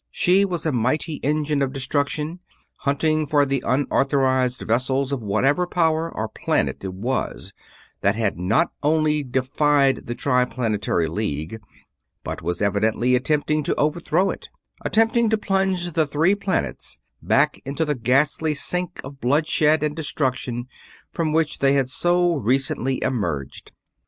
She was a mighty engine of destruction, hunting for the unauthorized vessels of whatever power or planet it was that had not only defied the Triplanetary League, but was evidently attempting to overthrow it; attempting to plunge the Three Planets back into the ghastly sink of bloodshed and destruction from which they had so recently emerged.